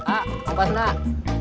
ah apa sih nak